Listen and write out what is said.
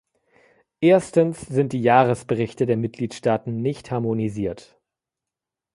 Erstens sind die Jahresberichte der Mitgliedstaaten nicht harmonisiert.